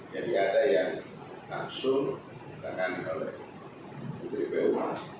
jadi ada yang langsung ditangani oleh putri pu